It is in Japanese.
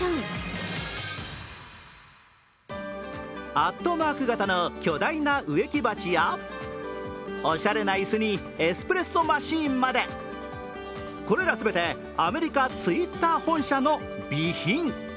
アットマーク型の巨大な植木鉢やおしゃれな椅子に、エスプレッソマシーンまでこれら全て、アメリカＴｗｉｔｔｅｒ本社の備品。